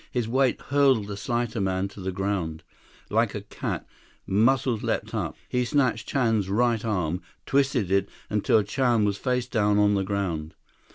His weight hurled the slighter man to the ground. Like a cat, Muscles leaped up. He snatched Chan's right arm, twisted it, until Chan was face down on the ground.